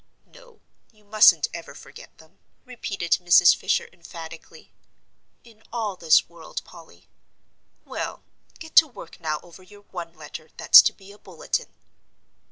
"No, you mustn't ever forget them," repeated Mrs. Fisher, emphatically, "in all this world, Polly. Well, get to work now over your one letter that's to be a bulletin!"